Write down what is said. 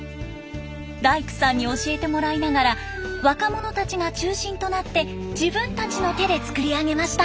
大工さんに教えてもらいながら若者たちが中心となって自分たちの手で作り上げました。